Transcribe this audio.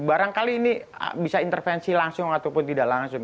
barangkali ini bisa intervensi langsung ataupun tidak langsung